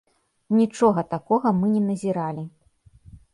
Нічога такога мы не назіралі.